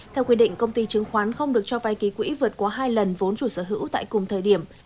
theo quy định công ty chứng khoán không được cho vay ký quỹ vượt qua hai lần vốn chủ sở hữu tại cùng thời điểm